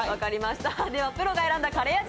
プロが選んだカレー味